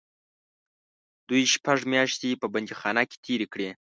دوی شپږ میاشتې په بندیخانه کې تېرې کړې.